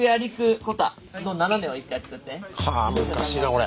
かあ難しいなこれ。